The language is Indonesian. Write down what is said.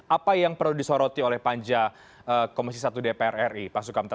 apa yang perlu disoroti oleh panja komisi satu dpr ri pak sukamta